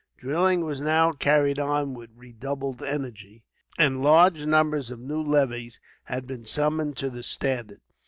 Drilling was now carried on with redoubled energy, and large numbers of new levies had been summoned to the standard.